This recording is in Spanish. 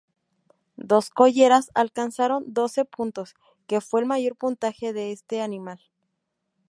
Dos colleras alcanzaron doce puntos, que fue el mayor puntaje de este animal.